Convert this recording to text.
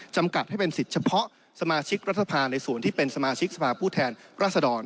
จำกัดให้เป็นสิทธิ์เฉพาะสมาชิกรัฐสภาในส่วนที่เป็นสมาชิกสภาพผู้แทนรัศดร